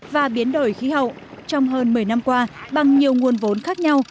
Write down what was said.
và biến đổi khí hậu trong hơn một mươi năm qua bằng nhiều nguồn vốn khác nhau